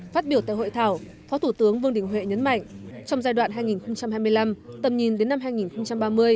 phát biểu tại hội thảo phó thủ tướng vương đình huệ nhấn mạnh trong giai đoạn hai nghìn hai mươi năm tầm nhìn đến năm hai nghìn ba mươi